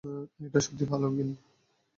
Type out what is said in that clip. এটা সত্যিই ভালো, গিল।